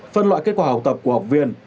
phân loại kết quả học tập của học viên